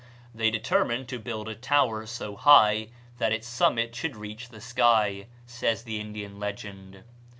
"They determined to build a tower so high that its summit should reach the sky," says the Indian legend.